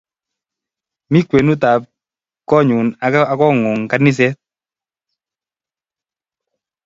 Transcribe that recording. Mi kwenut ap konyun ak kong'ung' kaniset.